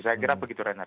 saya kira begitu renard